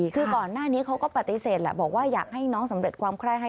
คือก่อนหน้านี้เขาก็ปฏิเสธแหละบอกว่าอยากให้น้องสำเร็จความไคร้ให้